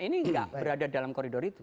ini enggak berada dalam koridor itu